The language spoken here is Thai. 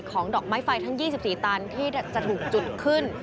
ดอกไม้ไฟทั้ง๒๔ตันที่จะถูกจุดขึ้น